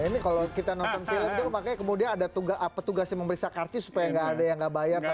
ini kalau kita nonton film itu makanya kemudian ada tugas yang memeriksa kartu supaya nggak ada yang nonton juga